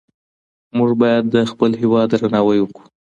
مونږ باید د خپل هیواد درناوی وکړو.